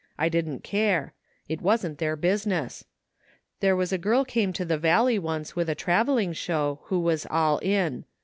I didn't care. It wasn't their business. There was a girl came to the Valley once with a travelling show who vras all in.